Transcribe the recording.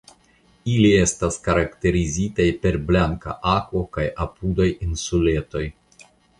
Ili estas karakterizitaj per blanka akvo kaj apudaj insuletoj.